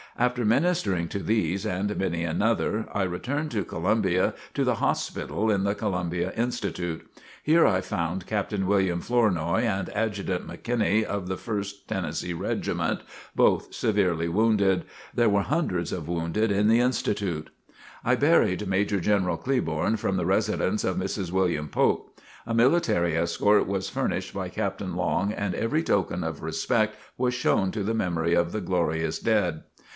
After ministering to these and many another, I returned to Columbia to the hospital in the Columbia Institute. Here I found Captain William Flournoy and Adjutant McKinney of the First Tennessee Regiment, both severely wounded. There were hundreds of wounded in the Institute. I buried Major General Cleburne from the residence of Mrs. William Polk. A military escort was furnished by Captain Long and every token of respect was shown to the memory of the glorious dead.